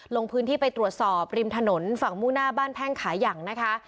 ลงพื้นที่ไปตรวจสอบริมถนนฝั่งมุ่งหน้าบ้านแพ่งขายังนะคะ